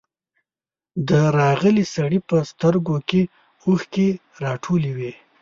د راغلي سړي په سترګو کې اوښکې راټولې وې.